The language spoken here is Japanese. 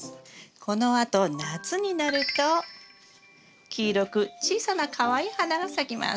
このあと夏になると黄色く小さなかわいい花が咲きます。